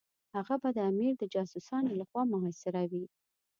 هغه به د امیر د جاسوسانو لخوا محاصره وي.